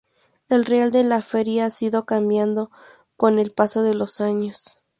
El Real de la Feria ha ido cambiando con el paso de los años.